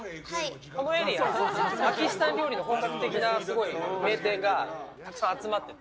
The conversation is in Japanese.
このエリア、パキスタン料理の本格的な名店がたくさん集まっていて。